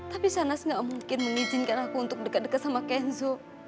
tapi sanas nggak mungkin mengizinkan aku untuk dekat dekat sama kenzo